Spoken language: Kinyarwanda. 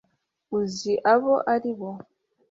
uzi abo ari bo